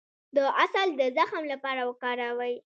د عسل د زخم لپاره وکاروئ